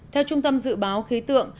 theo trung tâm dự báo khí tượng